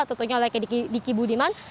tentunya oleh kediki budiman